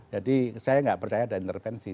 jadi saya tidak percaya ada intervensi